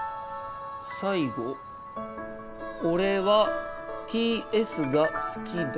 最後「俺はＴ・Ｓが好きだ。